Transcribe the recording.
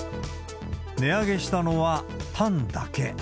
値上げしたのはタンだけ。